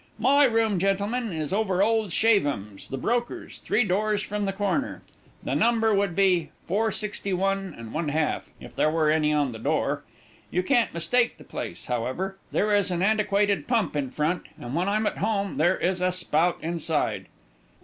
My room, gentlemen, is over old Shavem's, the brokers, three doors from the corner. The number would be 461 1/2, if there were any on the door. You can't mistake the place, however; there is an antiquated pump in front, and when I'm at home there is a Spout inside."